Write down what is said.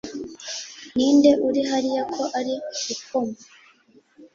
ninde uri hariya ko ari gukoma?